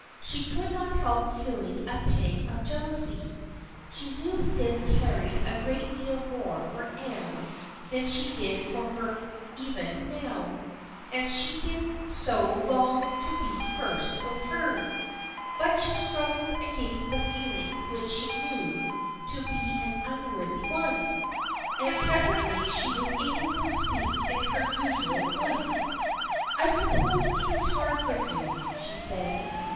She could not help feeling a pang of jealousy. She knew Sydney cared a great deal more for Anne than she did for her even now, and she did so long to be first with her. But she struggled against the feeling which she knew to be an unworthy one, and presently she was able to speak in her usual voice. " I suppose it is hard for you," she said.